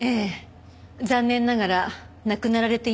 残念ながら亡くなられていました。